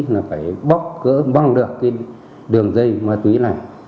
là phải bóc cỡ băng được đường dây ma túy này